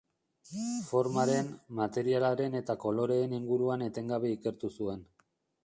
Formaren, materialaren eta koloreen inguruan etengabe ikertu zuen.